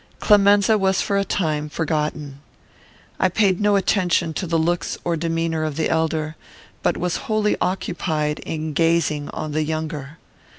Clemenza was for a time forgotten. I paid no attention to the looks or demeanour of the elder, but was wholly occupied in gazing on the younger.